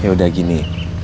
ya udah gini